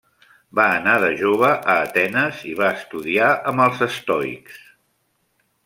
Va anar de jove a Atenes i va estudiar amb els estoics.